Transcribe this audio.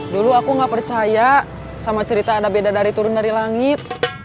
dulu aku nggak percaya sama cerita ada beda dari turun dari langit